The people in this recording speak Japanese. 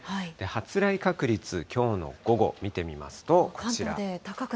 発雷確率、きょうの午後見てみますと、こちら。